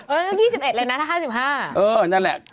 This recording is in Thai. ๒๑เลยนะถ้า๕๕เออนั่นแหละ